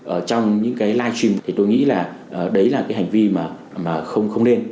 ở trong những cái livestream thì tôi nghĩ là đấy là cái hành vi mà không nên